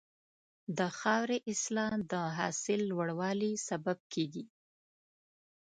د خاورې اصلاح د حاصل لوړوالي سبب کېږي.